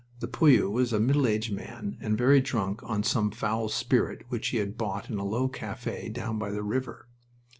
The poilu was a middle aged man, and very drunk on some foul spirit which he had bought in a low cafe down by the river.